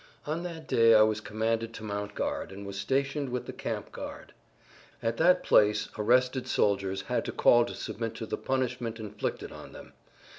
On that day I was commanded to mount guard and was stationed with the camp guard. At that place arrested soldiers had to call to submit to the punishment inflicted on them.